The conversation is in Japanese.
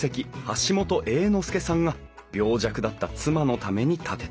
橋本英之助さんが病弱だった妻のために建てた。